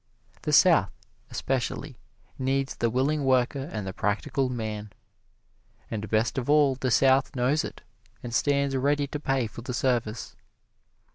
The South, especially, needs the willing worker and the practical man. And best of all the South knows it, and stands ready to pay for the service.